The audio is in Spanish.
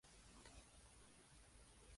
Actualmente se dedica a representar jugadores.